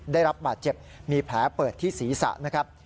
ได้รับบาดเจ็บมีแผลเปิดที่ศีรษะนะครับ